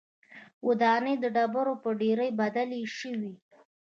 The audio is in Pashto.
ودانۍ د ډبرو پر ډېرۍ بدلې شوې.